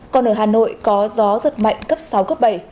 còn ở hà nội có gió giật mạnh cấp sáu cấp bảy